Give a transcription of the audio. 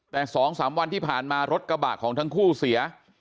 แต่๒๓วันที่ผ่านมารถกระบะของทั้งคู่เสีย